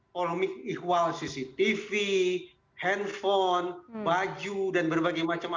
ekonomi ikhwal cctv handphone baju dan berbagai macam alat